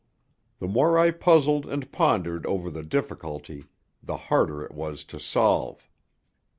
The more I puzzled and pondered over the difficulty the harder it was to solve.